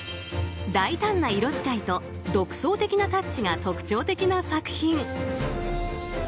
大胆な色使いと独創的なタッチが特徴的な作品。